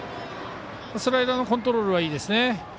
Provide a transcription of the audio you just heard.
スライダーのコントロールいいですね。